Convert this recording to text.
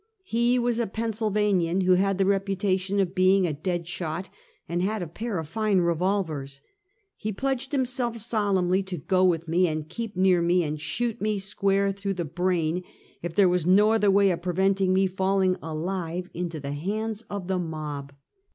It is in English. He was a Pennsylvanian, who had the reputation of being a dead shot, and had a pair of fine revolvers. He pledgedhimself solemnly to go with me and keep near me, and shoot me square through the brain, if there was no other way of preventing me falling alive into the hands of the mob.